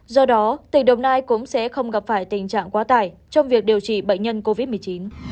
do đó tỉnh đồng nai cũng sẽ không gặp phải tình trạng quá tải trong việc điều trị bệnh nhân covid một mươi chín